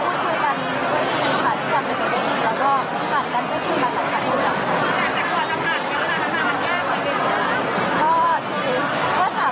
โอ้ถอดนะก็คือเป็นการคุยส่วยกันการพูดสินสาวสิกัน